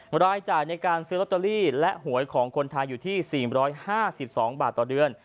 รายจ่ายในการซื้อลอตเตอรี่และหวยของคนไทยอยู่ที่๔๕๒บาทต่อเดือน